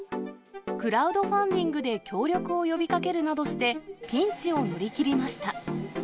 クラウドファンディングで協力を呼びかけるなどして、ピンチを乗り切りました。